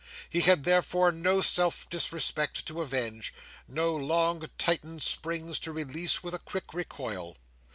He had, therefore, no self disrespect to avenge; no long tightened springs to release with a quick recoil.